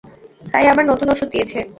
তাই আবার নতুন ওষুধ দিয়েছে।